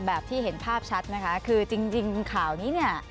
แบบที่เห็นภาพชัดนะคะคือจริงข่าวนี้เนี่ย